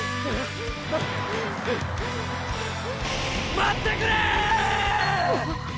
待ってくれ！